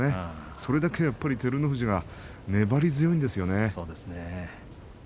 それだけ照ノ富士が粘り強いんですね。